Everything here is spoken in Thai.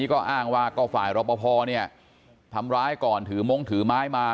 ก็อ้างว่าก็ฝ่ายรอปภเนี่ยทำร้ายก่อนถือมงถือไม้มา